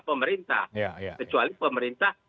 pemerintah kecuali pemerintah